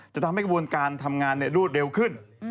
จะทำให้กระบวนการทำงานรวดเร็วขึ้น